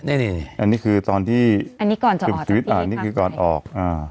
อันนี้คือตอนที่ก่อนออก